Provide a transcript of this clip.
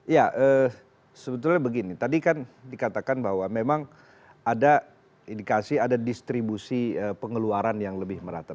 ya sebetulnya begini tadi kan dikatakan bahwa memang ada indikasi ada distribusi pengeluaran yang lebih merata